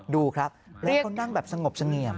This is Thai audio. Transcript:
ดูครับแล้วเขานั่งแบบสงบเสงี่ยม